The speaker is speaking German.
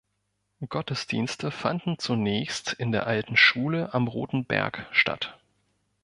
Gottesdienste fanden zunächst in der alten Schule am Roten Berg statt.